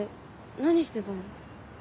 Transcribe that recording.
何してたの？